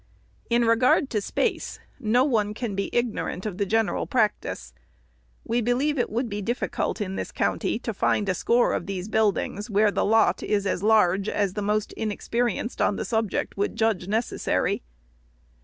" In regard to space, no one can be ignorant of the gen ON SCHOOLHOUSES. 475 eral practice. We believe it would be difficult, in this county, to find a score of these buildings, where the lot is as large as the most inexperienced on the subject would judge necessary.